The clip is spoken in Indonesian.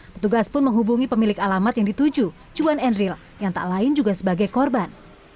petugas pun menghubungi pemilik alamat yang dituju juan enril yang tak lain juga sebagai korban